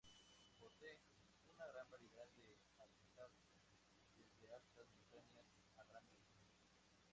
Posee una gran variedad de hábitats, desde altas montañas a grandes ríos.